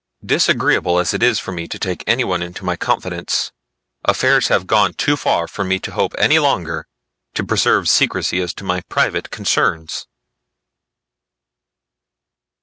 Disagreeable as it is for me to take anyone into my confidence, affairs have gone too far for me to hope any longer to preserve secrecy as to my private concerns."